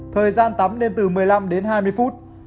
thời gian tắm nên từ một mươi năm đến hai mươi phút